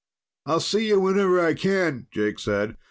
"I'll see you whenever I can," Jake said.